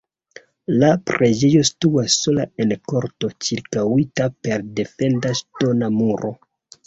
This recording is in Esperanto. La preĝejo situas sola en korto ĉirkaŭita per defenda ŝtona muro.